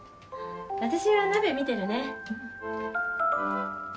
私は鍋見てるね。